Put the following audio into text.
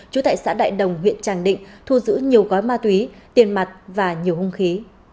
trú tại xã đại đồng huyện tràng định thu giữ nhiều gói ma túy tiền mặt và nhiều hung khí